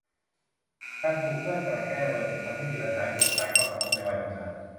การถูกเพื่อนกลั่นแกล้งในวัยเด็ก ทำให้มีปัญหาเกี่ยวกับการเข้าสังคมในวัยทำงาน